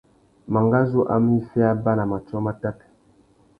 Mangazu a mú iffê abà na matiō matát.